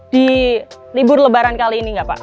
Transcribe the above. di libur lebaran kali ini